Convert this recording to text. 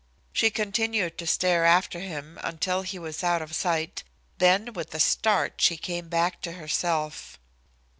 She continued to stare after him until he was out of sight, then with a start, she came back to herself.